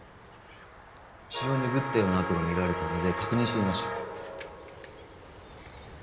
血をぬぐったようなあとが見られたので確認してみました。